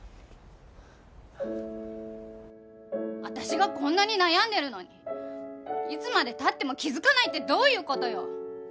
私がこんなに悩んでるのにいつまで経っても気づかないってどういう事よ？